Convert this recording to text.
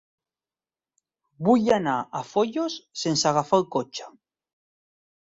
Vull anar a Foios sense agafar el cotxe.